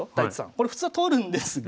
これ普通は取るんですが。